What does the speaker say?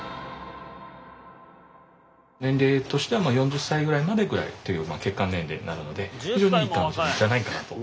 年齢としては４０歳ぐらいまでぐらいという血管年齢なので非常にいい感じじゃないかなと。